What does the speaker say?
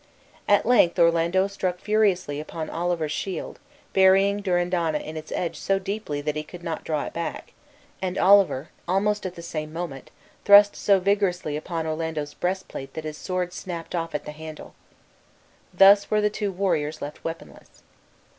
At length Orlando struck furiously upon Oliver's shield, burying Durindana in its edge so deeply that he could not draw it back, and Oliver, almost at the same moment, thrust so vigorously upon Orlando's breastplate that his sword snapped off at the handle. Thus were the two warriors left weaponless.